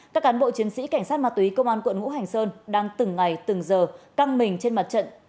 các cán bộ chiến sĩ cảnh sát ma túy công an quận ngũ hành sơn đang từng ngày từng giờ căng mình trên mặt trận